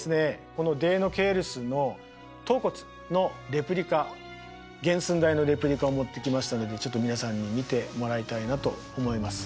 このデイノケイルスの頭骨のレプリカ原寸大のレプリカを持ってきましたのでちょっと皆さんに見てもらいたいなと思います。